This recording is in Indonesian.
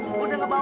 dia udah berubah